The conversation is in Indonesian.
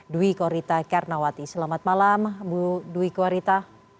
dwi korita karnawati selamat malam bu dwi korita